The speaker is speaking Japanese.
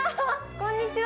こんにちは。